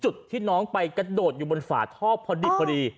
จุดที่น้องไปกระโดดอยู่บนฝาท่อพอดิบพอดี